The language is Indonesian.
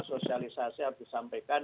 sosialisasi harus disampaikan